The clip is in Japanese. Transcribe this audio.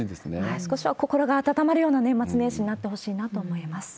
少しは心が温まるような年末年始になってほしいなと思います。